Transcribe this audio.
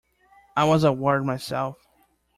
I was a ward myself.